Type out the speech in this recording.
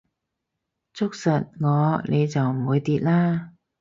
捉實我你就唔會跌啦